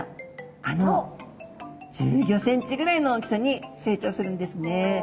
あの１５ｃｍぐらいの大きさに成長するんですね。